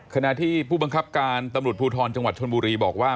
ขณะที่ผู้บังคับการตำรวจภูทรจังหวัดชนบุรีบอกว่า